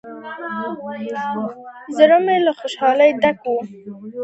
زړه مې له خوشالۍ ډک و.